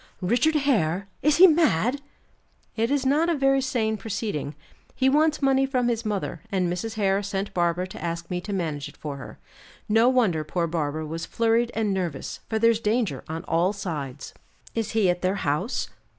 "Richard Hare! Is he mad?" "It is not a very sane proceeding. He wants money from his mother, and Mrs. Hare sent Barbara to ask me to manage it for her. No wonder poor Barbara was flurried and nervous, for there's danger on all sides." "Is he at their house?"